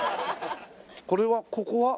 これはここは？